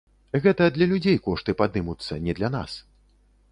Гэта для людзей кошты падымуцца, не для нас.